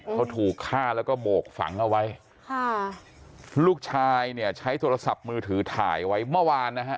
เขาถูกฆ่าแล้วก็โบกฝังเอาไว้ค่ะลูกชายเนี่ยใช้โทรศัพท์มือถือถ่ายไว้เมื่อวานนะฮะ